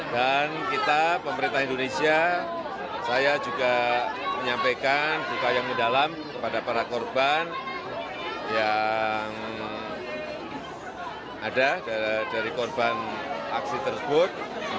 dan kita pemerintah indonesia saya juga menyampaikan buka yang mendalam kepada para korban yang ada dari korban aksi tersebut